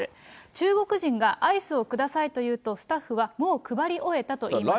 中国人がアイスをくださいと言うと、スタッフはもう配り終えたと言いました。